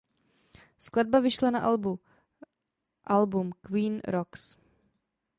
Skladba vyšla na albu album "Queen Rocks".